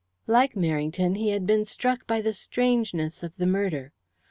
Like Merrington, he had been struck by the strangeness of the murder.